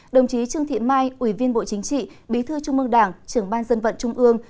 đồng chí trương thị mai ủy viên bộ chính trị bí thư trung mương đảng trưởng ban dân vận trung ương